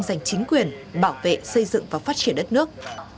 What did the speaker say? giành chính quyền bảo vệ xây dựng và phát triển đất nước